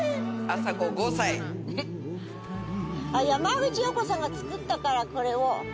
山口洋子さんが作ったからこれを。